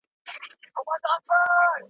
هم له کلیو هم له ښار دعوې راتللې ,